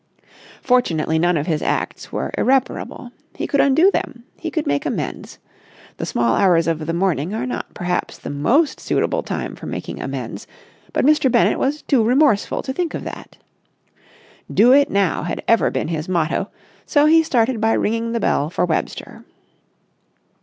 Fortunately, none of his acts were irreparable. He could undo them. He could make amends. The small hours of the morning are not perhaps the most suitable time for making amends, but Mr. Bennett was too remorseful to think of that. Do It Now had ever been his motto, so he started by ringing the bell for Webster.